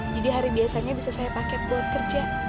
jadi hari biasanya bisa saya pakai buat kerja